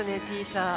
Ｔ社。